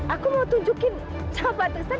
aku mau tunjukin sama pak tristan